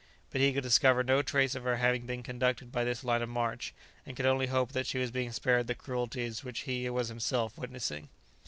But he could discover no trace of her having been conducted by this line of march, and could only hope that she was being spared the cruelties which he was himself witnessing.